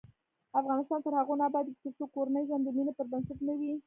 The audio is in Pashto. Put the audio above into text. افغانستان تر هغو نه ابادیږي، ترڅو کورنی ژوند د مینې پر بنسټ نه وي.